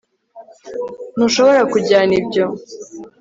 ntushobora kujyana ibyo